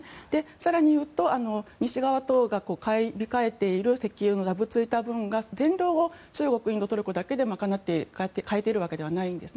更に言うと西側が買い控えている石油のだぼついた分が全量を中国、インド、トルコだけで賄って買えているわけではないんです。